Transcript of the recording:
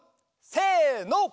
せの。